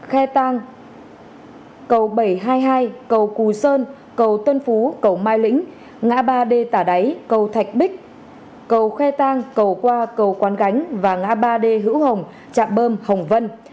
theo kế hoạch người và phương tiện được phép ra đường đi qua cầu quán gánh và ngã ba d hữu hồng trạm bơm hồng vân